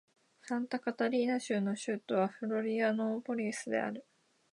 サンタカタリーナ州の州都はフロリアノーポリスである